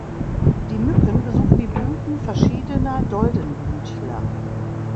Die Mücken besuchen die Blüten verschiedener Doldenblütler.